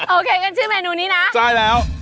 โอเคก็ชื่อเมนูนี้นะ